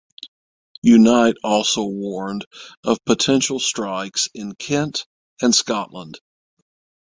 Unite also warned of potential strikes in Kent and Scotland.